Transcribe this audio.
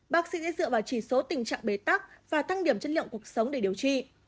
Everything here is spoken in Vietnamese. bác sĩ dựa vào chỉ số tình trạng bế tắc và tăng điểm chất lượng cuộc sống để điều trị